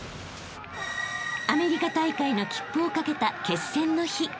［アメリカ大会の切符をかけた決戦の日］